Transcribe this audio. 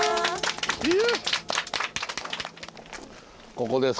ここです